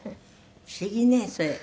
不思議ねそれ。